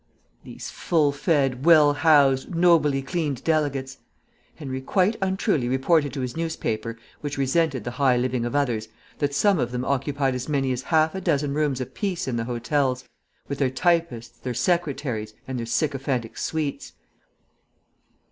These full fed, well housed, nobly cleaned delegates.... Henry quite untruly reported to his newspaper, which resented the high living of others, that some of them occupied as many as half a dozen rooms apiece in the hotels, with their typists, their secretaries, and their sycophantic suites.